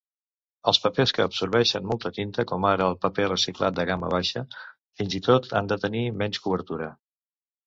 Els papers que absorbeixen molta tinta, com ara el paper reciclat de gamma baixa, fins i tot han de tenir menys cobertura.